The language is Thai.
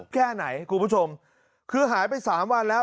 แค่ไหนครับคุณผู้ชมคือหายไป๓วันแล้ว